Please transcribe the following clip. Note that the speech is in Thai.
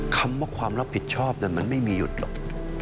คำว่าความรับผิดชอบนั้นมันไม่มีหยุดหรอก